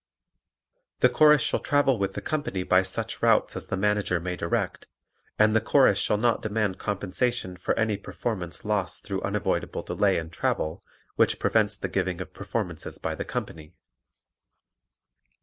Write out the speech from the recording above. The Chorus shall travel with the company by such routes as the Manager may direct, and the Chorus shall not demand compensation for any performance lost through unavoidable delay in travel which prevents the giving of performances by the company.